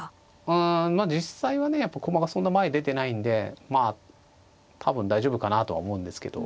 うんまあ実際はねやっぱ駒がそんな前へ出てないんでまあ多分大丈夫かなとは思うんですけど。